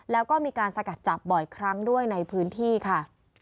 แล้วก็มีการสกัดจับบ่อยครั้งด้วยในพื้นที่ค่ะ